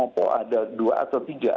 ada dua atau tiga